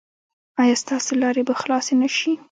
ایا ستاسو لارې به خلاصې نه شي؟